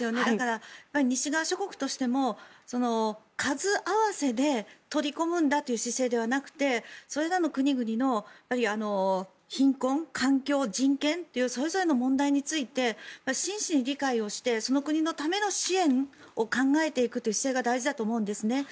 西側諸国としても数合わせで取り込むんだという姿勢ではなくてそれらの国々の貧困、環境、人権というそれぞれの問題について真摯に理解してその国のための支援を考えていくという姿勢が大事だと思うんですね。